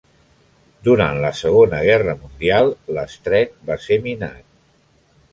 Durant la Segona Guerra Mundial l'estret va ser minat.